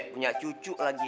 punya cucu lagi